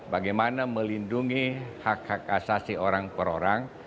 bagaimana melindungi hak hak asasi orang per orang